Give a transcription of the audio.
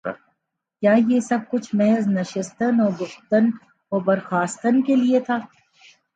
کیا یہ سب کچھ محض نشستن و گفتن و برخاستن کے لیے تھا؟